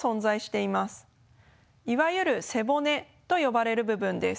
いわゆる背骨と呼ばれる部分です。